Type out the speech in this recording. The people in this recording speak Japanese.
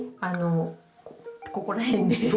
あのここら辺で。